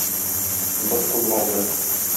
Боз кузгалды.